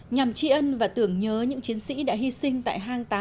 nhằm tri ân và tưởng nhớ những chiến sĩ đã hy sinh tại hang tám